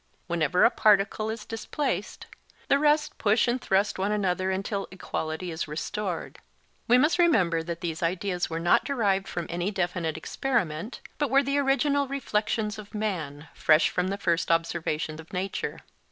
Whenever a particle is displaced, the rest push and thrust one another until equality is restored. We must remember that these ideas were not derived from any definite experiment, but were the original reflections of man, fresh from the first observation of nature.